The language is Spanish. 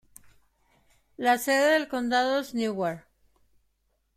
La sede del condado es Newark.